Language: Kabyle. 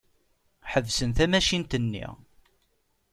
Ḥebsen tamacint-nni.